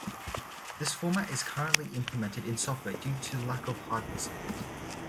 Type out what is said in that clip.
This format is currently implemented in software due to lack of hardware support.